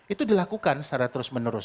itu dilakukan secara terus menerus